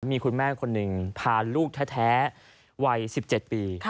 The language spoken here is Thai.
มีคุณแม่คนหนึ่งพาลูกแท้วัย๑๗ปี